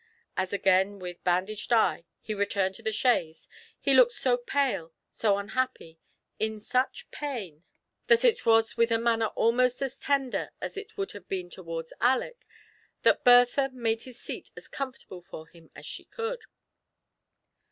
As again, with bandaged eye, he returned to the chaise, he looked so pale, so imhappy, in such pain, that it was with a manner almost as tender as it would have been towards Aleck, that Bertha made his seat as comfortable for him as she could.